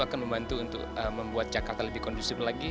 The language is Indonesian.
akan membantu untuk membuat jakarta lebih kondusif lagi